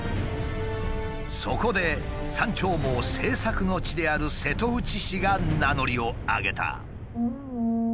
そこで「山鳥毛」製作の地である瀬戸内市が名乗りを上げた。